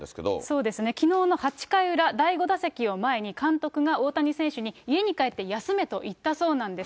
そうですね、きのうの８回裏、第５打席を前に、監督が大谷選手に家に帰って休めと言ったそうなんです。